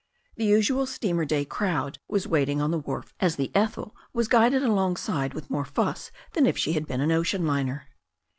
The usual steamer day crowd was waiting on the wharf as the Ethel was guided alongside with more fuss than if she had been an ocean liner.